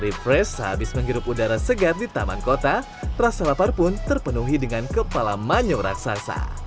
refresh sehabis menghirup udara segar di taman kota rasa lapar pun terpenuhi dengan kepala manyu raksasa